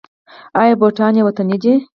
آیا بوټان یې وطني دي؟